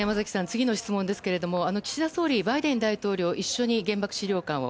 次の質問ですが岸田総理、バイデン大統領一緒に原爆資料館を